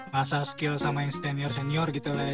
masa skill sama yang senior senior gitu lah